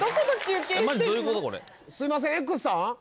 すみません！